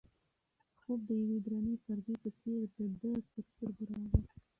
خوب د یوې درنې پردې په څېر د ده پر سترګو راغی.